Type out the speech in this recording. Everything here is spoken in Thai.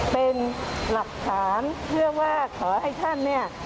เป็นหลักฐานเพื่อว่าขอให้ท่านเนี่ย